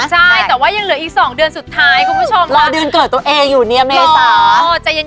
ใช่แต่ว่ายังเหลืออีก๒เดือนสุดท้ายคุณผู้ชมรอเดือนเกิดตัวเองอยู่เนี่ยเมษา